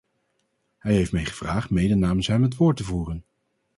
Hij heeft mij gevraagd mede namens hem het woord te voeren.